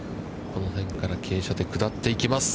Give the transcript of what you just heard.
この辺から傾斜で下っていきます。